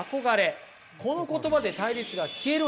この言葉で対立が消えるわけです。